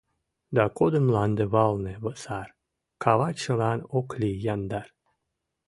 Да, кодын мланде валне сар, Кава чылан ок лий яндар.